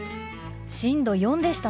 震度４でしたね。